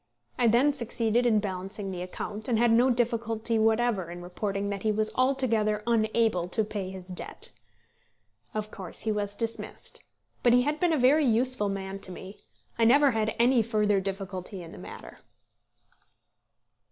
I then succeeded in balancing the account, and had no difficulty whatever in reporting that he was altogether unable to pay his debt. Of course he was dismissed; but he had been a very useful man to me. I never had any further difficulty in the matter.